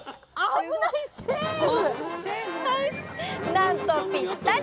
なんとぴったり！